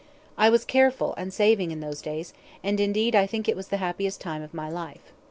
I was careful and saving in those days, and, indeed, I think it was the happiest time of my life.